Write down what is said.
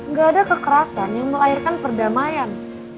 nggak ada kekerasan yang melahirkan perdamaian